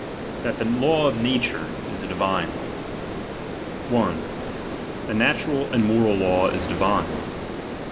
THAT THE LAW OF NATURE IS A DIVINE LAW. 1. The natural and moral law is divine.